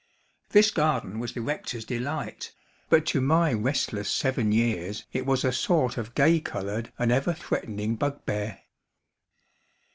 This garden was the rector's delight, but to my restless seven years it was a sort of gay colored and ever threatening bugbear.